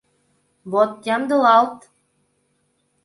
Вот ямдылалт.